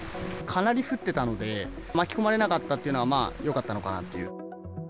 かなり降ってたので、巻き込まれなかったというのは、まあよかったのかなという。